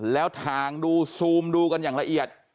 แล้วทางดูซูมดูกันอย่างละเอียด